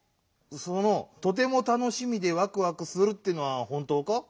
その「とてもたのしみでわくわくする」っていうのはほんとうか？